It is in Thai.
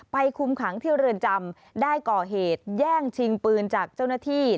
คุมขังที่เรือนจำได้ก่อเหตุแย่งชิงปืนจากเจ้าหน้าที่